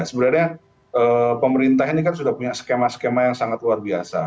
sebenarnya pemerintah ini kan sudah punya skema skema yang sangat luar biasa